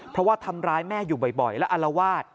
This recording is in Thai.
เพราะว่าทำร้ายแม่อยู่บ่อยและอารวาส